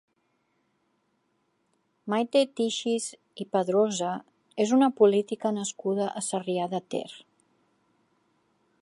Maite Tixis i Padrosa és una política nascuda a Sarrià de Ter.